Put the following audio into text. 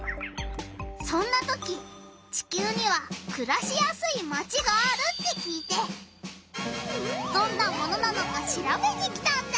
そんな時地きゅうにはくらしやすいマチがあるって聞いてどんなものなのかしらべに来たんだ！